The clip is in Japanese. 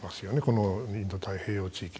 このインド太平洋地域で。